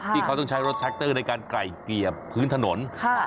ที่เขาต้องใช้รถแท็กเตอร์ในการไกล่เกลี่ยพื้นถนน